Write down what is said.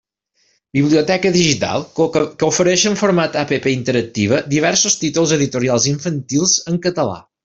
Biblioteca digital que ofereix en format app interactiva diversos títols editorials infantils en català.